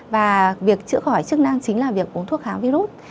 và việc chữa khỏi chức năng chính là việc uống thuốc kháng virus